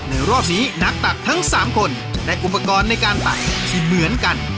รอบนี้นักตักทั้ง๓คนได้อุปกรณ์ในการตักที่เหมือนกัน